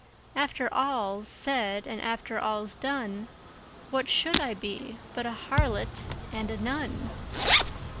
After all's said and after all's done, What should I be but a harlot and a nun?